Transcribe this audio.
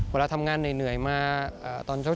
เวลาทำงานเหนื่อยมาตอนเช้า